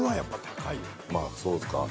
まあそうですか。